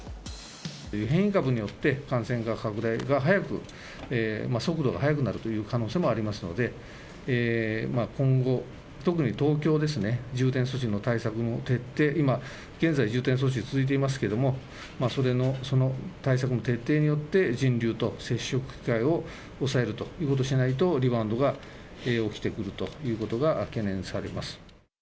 変異株によって、感染拡大が速く、速度が速くなるという可能性がありますので、今後、特に東京ですね、重点措置の対策の徹底、今現在、重点措置、続いていますけれども、それのその対策の徹底によって、人流と接触機会を抑えるということをしないと、リバウンドが起きてくるということが懸念されます。